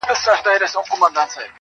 او ذهنونه بوخت ساتي ډېر ژر,